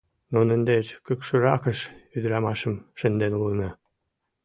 Нунын деч кӱкшыракыш ӱдырамашым шынден улына.